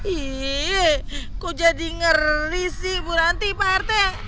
ih kok jadi ngeri sih bu ranti pak rete